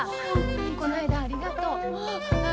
こないだはありがとう。